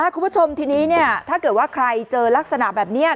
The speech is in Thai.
คุณผู้ชมทีนี้ถ้าเกิดว่าใครเจอลักษณะแบบนี้